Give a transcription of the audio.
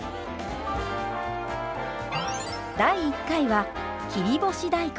第１回は切り干し大根。